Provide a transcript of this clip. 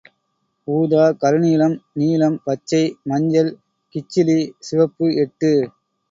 ஊதா, கருநீலம், நீலம், பச்சை, மஞ்சள், கிச்சிலி, சிவப்பு எட்டு.